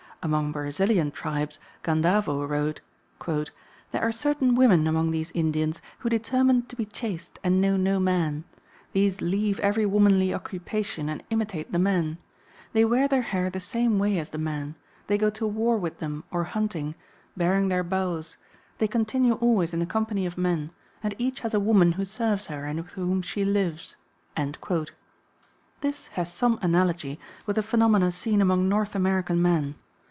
Among Brazilian tribes Gandavo wrote: "There are certain women among these Indians who determine to be chaste and know no man. These leave every womanly occupation and imitate the men. They wear their hair the same way as the men; they go to war with them or hunting, bearing their bows; they continue always in the company of men, and each has a woman who serves her and with whom she lives." This has some analogy with the phenomena seen among North American men.